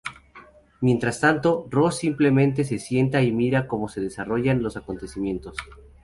Mientras tanto, Ross simplemente se sienta y mira cómo se desarrollan los acontecimientos.